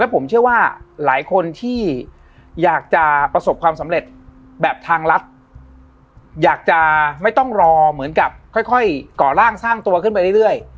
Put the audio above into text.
ผมเชื่อว่าหลายคนที่อยากจะประสบความสำเร็จแบบทางรัฐอยากจะไม่ต้องรอเหมือนกับค่อยก่อร่างสร้างตัวขึ้นไปเรื่อย